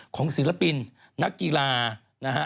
ศิลปินนักกีฬานะฮะ